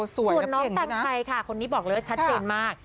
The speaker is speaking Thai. ส่วนน้องแต่งไทยค่ะคนนี้บอกเลยว่าชัดเจนมาก